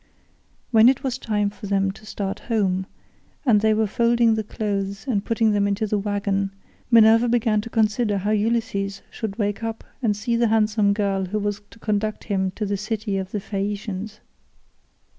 When it was time for them to start home, and they were folding the clothes and putting them into the waggon, Minerva began to consider how Ulysses should wake up and see the handsome girl who was to conduct him to the city of the Phaeacians.